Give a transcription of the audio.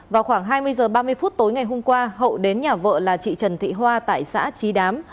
vào khoảng hai mươi h ba mươi phút tối ngày hôm qua hậu đến nhà vợ là chị trần thị hoa tại xã trí đám